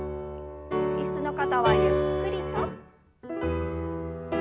椅子の方はゆっくりと。